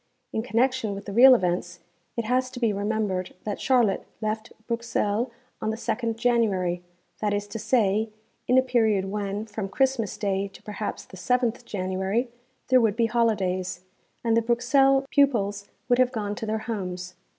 In connection with the real events, it has to be remembered that Charlotte left Bruxelles on the 2nd January, that is to say, in a period when, from Christmas day to perhaps the 7th January, there would be holidays, and the Bruxelles pupils would have gone to their homes.